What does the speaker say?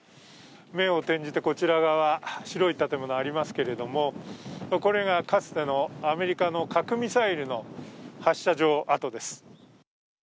目を転じてこちら側、白い建物ありますけれどもこれがかつてのアメリカの核ミサイルの発射場跡です。